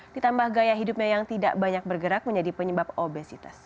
ditambah gaya hidupnya yang tidak banyak bergerak menjadi penyebab obesitas